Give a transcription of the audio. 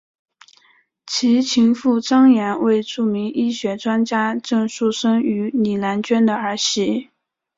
其情妇张琰为著名医学专家郑树森与李兰娟的儿媳。